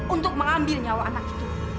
untuk mengambil nyawa anak itu